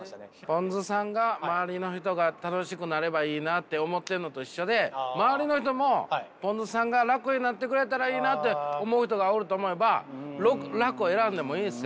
ぽんづさんが周りの人が楽しくなればいいなって思ってるのと一緒で周りの人もぽんづさんが楽になってくれたらいいなって思う人がおると思えば楽を選んでもいいんですよ。